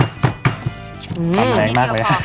๑ช้อนครับ